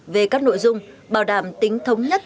về các nội dung bảo đảm tính thống nhất trong các nội dung